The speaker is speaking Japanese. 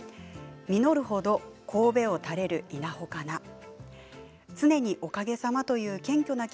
「実るほどこうべを垂れる稲穂かな」